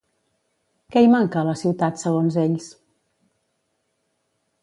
Què hi manca a la ciutat, segons ells?